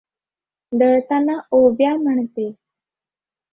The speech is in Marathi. दळताना ओव्या म्हणते.